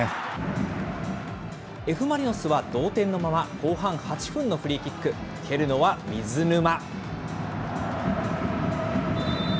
Ｆ・マリノスは同点のまま、後半８分のフリーキック、蹴るのは水沼。